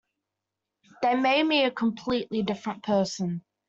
They made me a completely different person.